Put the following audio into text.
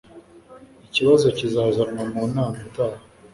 Ikibazo kizazanwa mu nama itaha.